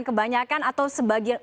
kebanyakan atau sebagian